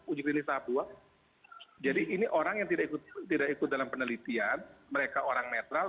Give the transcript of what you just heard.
uji klinis tahap dua jadi ini orang yang tidak ikut dalam penelitian mereka orang netral